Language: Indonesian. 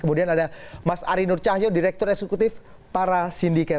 kemudian ada mas arinur cahyo direktur eksekutif para sindiket